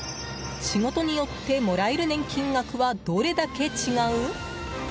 仕事によってもらえる年金額はどれだけ違う？